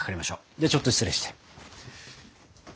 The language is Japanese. ではちょっと失礼して。